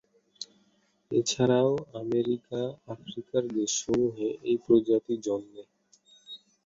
এছাড়াও আমেরিকা, আফ্রিকার দেশসমূহে এই প্রজাতি জন্মে।